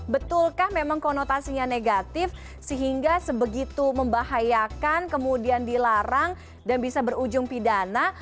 betulkah memang konotasinya negatif sehingga sebegitu membahayakan kemudian dilarang dan bisa berujung pidana